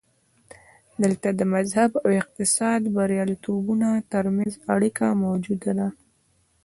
دلته د مذهب او اقتصادي بریالیتوبونو ترمنځ اړیکه موجوده ده.